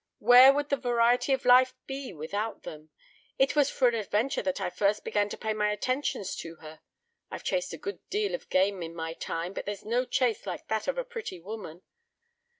"Where would the variety of life be without them? It was for an adventure that I first began to pay my attentions to her. I've chased a good deal of game in my time, but there's no chase like that of a pretty woman.